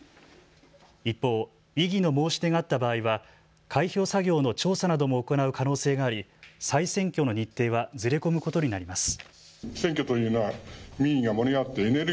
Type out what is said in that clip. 一方、異議の申し出があった場合は開票作業の調査なども行う可能性があり再選挙の日程はずれ込むことになります。